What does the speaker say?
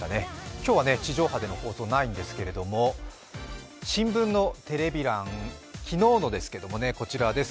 今日は地上波での放送ないんですけれども新聞のテレビ欄、昨日のですけどもこちらです。